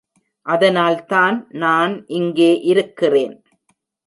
அதனால்தான் நான் இங்கே இருக்கிறேன்.